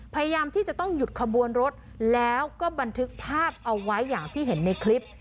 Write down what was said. พยายามที่จะต้องหยุดขบวนรถแล้วก็บันทึกภาพเอาไว้อย่างที่เห็นในคลิป